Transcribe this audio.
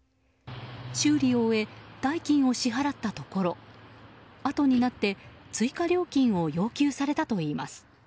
修理を終え代金を支払ったところあとになって追加料金を要求されたといいます。